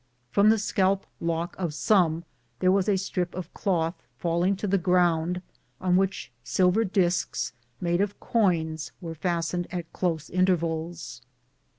From the scalp lock of some there was a strip of cloth falling to the ground, on which silver disks made of coins were fast ened at close intervals.